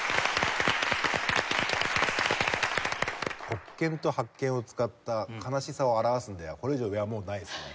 黒鍵と白鍵を使った悲しさを表すのではこれ以上上はもうないですね。